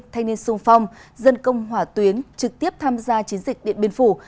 thanh niên sung phong dân công hỏa tuyến trực tiếp tham gia chiến dịch điện biên phủ